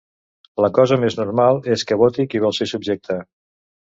La cosa més normal és que voti qui vol ser subjecte.